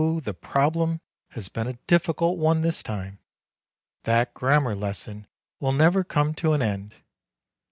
the problem has been a difficult one this time." "That grammar lesson will never come to an end!"